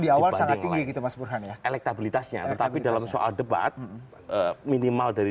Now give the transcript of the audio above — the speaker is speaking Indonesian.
diawal sangat yg itu mas burhan ya elektabilitasnya tapi dalam soal debat minimal dari